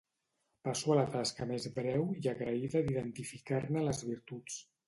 Passo a la tasca més breu i agraïda d'identificar-ne les virtuts.